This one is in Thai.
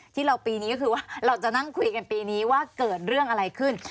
ที่เราปีนี้ก็คือว่าเราจะนั่งคุยกันปีนี้ว่าเกิดเรื่องอะไรขึ้น